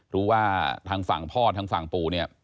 รู้ว่าทางฝั่งพ่อทางฝั่งปู่เนี่ย